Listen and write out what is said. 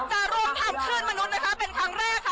จะร่วมทำคลื่นมนุษย์นะคะเป็นครั้งแรกค่ะ